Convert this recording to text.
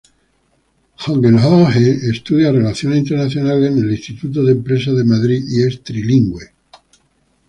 Hohenlohe estudia Relaciones Internacionales en el Instituto de Empresa de Madrid y es trilingüe.